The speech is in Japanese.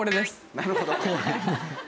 なるほど。